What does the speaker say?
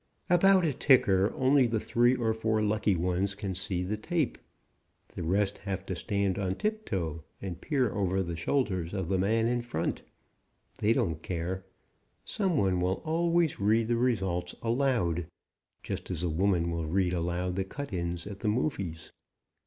About a ticker only the three or four lucky ones can see the tape. The rest have to stand on tip toe and peer over the shoulders of the man in front. They don't care. Some one will always read the results aloud, just as a woman will read aloud the cut ins at the movies.